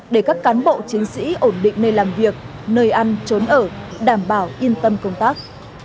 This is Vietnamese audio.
để các cán bộ chiến sĩ ổn định nơi làm việc nơi ăn trốn ở đảm bảo yên tâm công tác